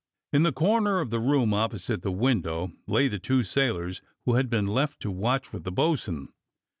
In the corner of the room opposite the window lay the two sailors who had been left to watch with the bo'sun.